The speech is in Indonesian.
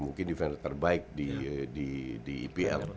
mungkin defender terbaik di epl